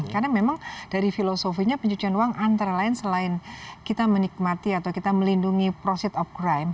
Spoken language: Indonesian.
karena memang dari filosofinya pencucian uang antara lain selain kita menikmati atau kita melindungi proceed of crime